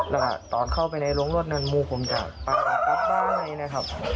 แล้วก็ตอนเข้าไปในโรงรถนั้นมูผมจะตามกับบ้านให้นะครับ